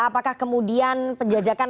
apakah kemudian penjajakan